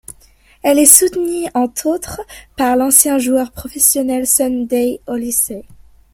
Elle est soutenue entre autres par l'ancien joueur professionnel Sunday Oliseh.